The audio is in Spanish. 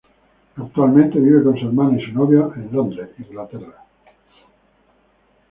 Actualmente, vive con su hermana y su novio en Londres, Inglaterra.